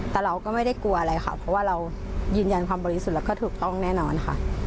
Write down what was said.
แต่เราก็ไม่ได้กลัวอะไรค่ะเพราะว่าเรายืนยันความบริสุทธิ์แล้วก็ถูกต้องแน่นอนค่ะ